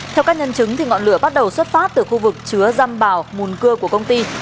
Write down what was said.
theo các nhân chứng ngọn lửa bắt đầu xuất phát từ khu vực chứa răm bào mùn cưa của công ty